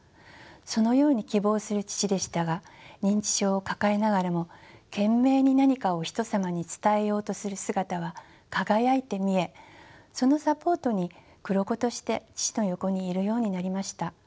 そのように希望する父でしたが認知症を抱えながらも懸命に何かをひとさまに伝えようとする姿は輝いて見えそのサポートに黒子として父の横にいるようになりました。